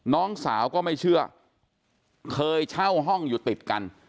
น้องสาวก็ไม่เชื่อเคยเช่าห้องอยู่ติดกัน